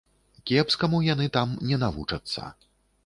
Кепскаму яны там не навучацца.